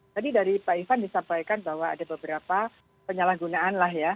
tadi dari pak ivan disampaikan bahwa ada beberapa penyalahgunaan lah ya